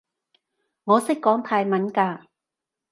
我識講泰文㗎